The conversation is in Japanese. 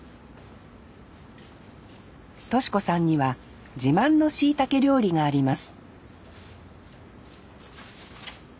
敏子さんには自慢のしいたけ料理があります